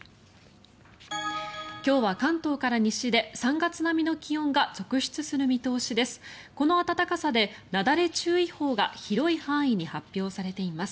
今日は関東から西で３月並みの気温が続出する見通しです。